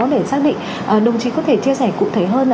để xác định đồng chí có thể chia sẻ cụ thể hơn